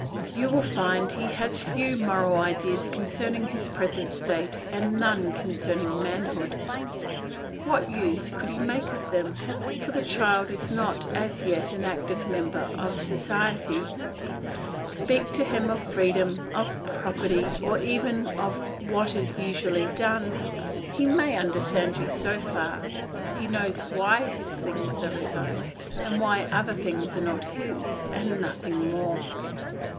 ] You will find he has a few moral ideas concerning his present state and none concerning manhood; what use could he make of them, for the child is not, as yet, an active member of society. Speak to him of freedom, of property, or even of what is usually done; he may understand you so far; he knows why his things are his own, and why other things are not his, and nothing more.